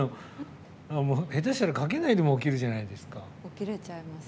下手したらかけないでも起きるじゃないですか。